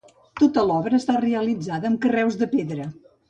Tota l'obra està realitzada amb carreus de pedra.